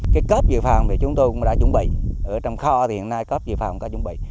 cái cốp dự phòng thì chúng tôi cũng đã chuẩn bị ở trong kho thì hiện nay cốp dự phòng cũng đã chuẩn bị